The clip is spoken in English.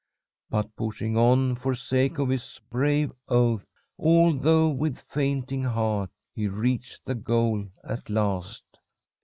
But, pushing on for sake of his brave oath, although with fainting heart, he reached the goal at last.